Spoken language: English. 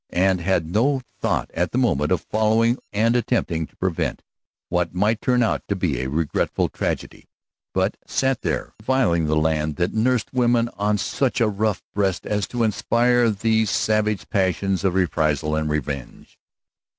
He had no thought at that moment of following and attempting to prevent what might turn out a regretful tragedy, but sat there reviling the land that nursed women on such a rough breast as to inspire these savage passions of reprisal and revenge.